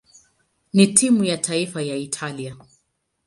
na timu ya taifa ya Italia.